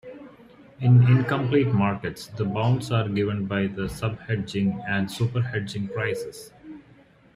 In incomplete markets, the bounds are given by the subhedging and superhedging prices.